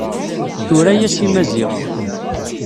Tura-yas i Maziɣ.